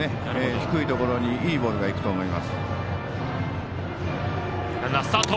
低いところにいいボールが、いくと思います。